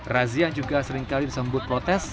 razia yang juga seringkali disebut protes